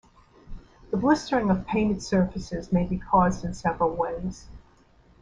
The blistering of painted surfaces may be caused in several ways.